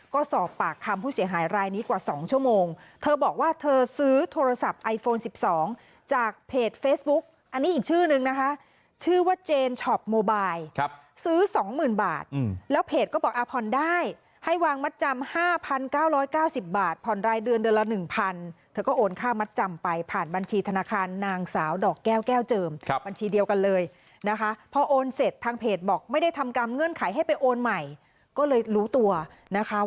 ก็สอบปากคำผู้เสียหายรายนี้กว่า๒ชั่วโมงเธอบอกว่าเธอซื้อโทรศัพท์ไอโฟน๑๒จากเพจเฟซบุ๊กอันนี้อีกชื่อนึงนะคะชื่อว่าเจนชอปโมบายซื้อ๒๐๐๐๐บาทแล้วเพจก็บอกอาพรได้ให้วางมัดจำ๕๙๙๐บาทพรรณรายเดือนเดือนละ๑๐๐๐เธอก็โอนค่ามัดจำไปผ่านบัญชีธนาคารนางสาวดอกแก้วแก้วเจิมบัญชีเดียวก